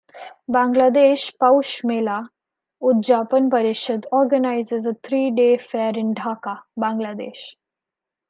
Bangladesh Poush Mela Udjapon Parishad organises a three day fair in Dhaka, Bangladesh.